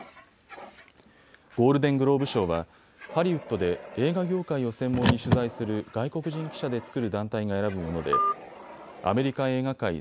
ゴールデングローブ賞は、ハリウッドで映画業界を専門に取材する外国人記者で作る団体が選ぶものでアメリカ映画界